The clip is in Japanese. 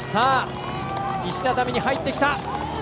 石畳に入ってきた！